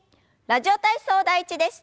「ラジオ体操第１」です。